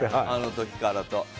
あの時からと。